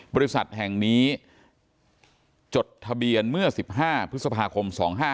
บริษัทแห่งนี้จดทะเบียนเมื่อ๑๕พฤษภาคม๒๕๕๙